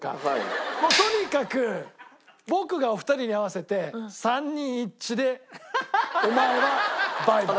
もうとにかく僕がお二人に合わせて３人一致でお前はバイバイ。